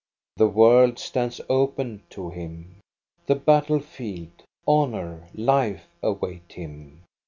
The world stands open to him. The battle field, honor, life, await him.